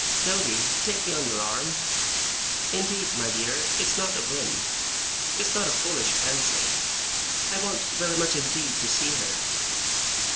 Doady, take me on your arm. Indeed, my dear, it's not a whim. It's not a foolish fancy. I want, very much indeed, to see her!